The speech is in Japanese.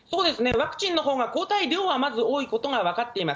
ワクチンのほうが抗体量はまず多いことが分かっています。